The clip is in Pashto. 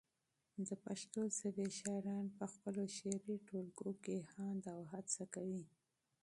د پښتو ژبی شاعران پخپلو شعري ټولګو کي هاند او هڅه کوي